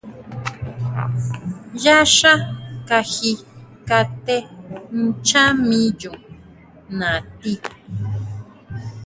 Yá xá kaji kate ncháa miyo natí.